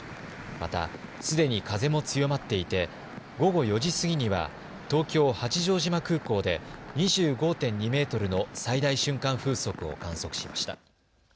またすでに風も強まっていて午後４時過ぎには東京八丈島空港で２５．２メートルの最大瞬間風速を観測しました。